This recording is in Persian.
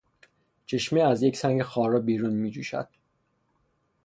چشمه از یک سنگ خارا بیرون میجوشد.